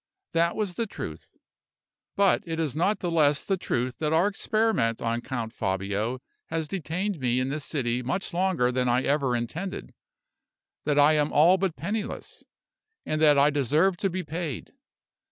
That was the truth. But it is not the less the truth that our experiment on Count Fabio has detained me in this city much longer than I ever intended, that I am all but penniless, and that I deserve to be paid.